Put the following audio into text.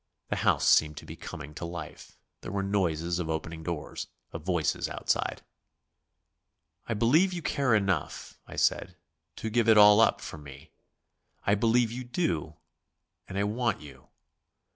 The house seemed to be coming to life; there were noises of opening doors, of voices outside. "I believe you care enough," I said "to give it all up for me. I believe you do, and I want you."